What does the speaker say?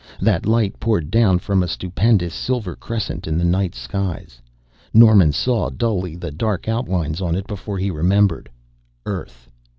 That light poured down from a stupendous silver crescent in the night skies. Norman saw dully the dark outlines on it before he remembered. Earth!